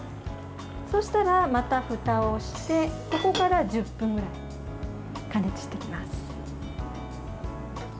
そうしたら、またふたをしてここから１０分ぐらい加熱していきます。